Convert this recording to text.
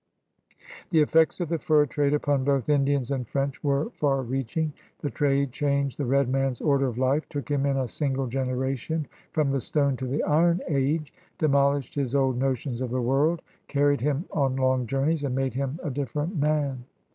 The effects of the fur trade upon both Indians and French were far reaching. The trade changed the red man's order of life, took him in a single generation from the stone to the iron age, de molished his old notions of the world, carried him on long journeys, and made him a different man.